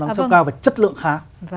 năng suất cao và chất lượng khá